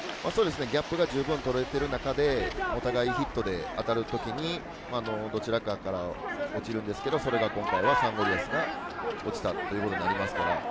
ギャップが十分取れていた中でヒットで当たる時、どちらかから落ちるんですけれど、今回はサンゴリアスが落ちたということになります。